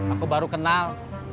aku baru kenal